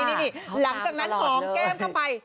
นี่หลังจากนั้นหอมแก้มเข้าไป